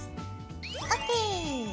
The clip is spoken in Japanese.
ＯＫ。